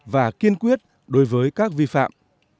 và kiên quyết đối với các vi phạm